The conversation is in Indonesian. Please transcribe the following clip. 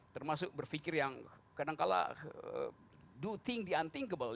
termasuk berfikir yang kadangkala do things the unthinkable